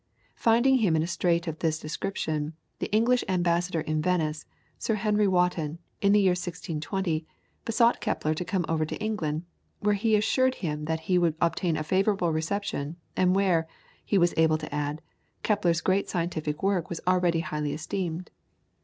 Finding him in a strait of this description, the English ambassador in Venice, Sir Henry Wotton, in the year 1620, besought Kepler to come over to England, where he assured him that he would obtain a favourable reception, and where, he was able to add, Kepler's great scientific work was already highly esteemed.